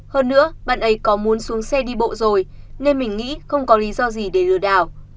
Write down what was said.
hơn nữa bạn ấy có muốn xuống xe đi bộ rồi nên mình nghĩ không có lý do gì để lừa đảo